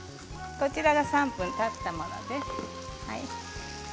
こちらが３分たったものです。